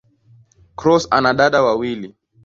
Cross ana dada wawili.